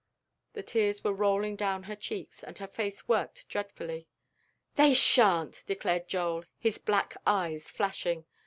The tears were rolling down her cheeks, and her face worked dreadfully. "They shan't!" declared Joel, his black eyes flashing.